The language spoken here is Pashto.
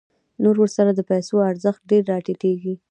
نو ورسره د پیسو ارزښت ډېر راټیټېږي